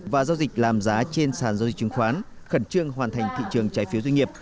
và giao dịch làm giá trên sàn giao dịch chứng khoán khẩn trương hoàn thành thị trường trái phiếu doanh nghiệp